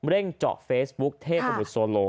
เร่งเจาะเฟซบุ๊คเทพบุรสโล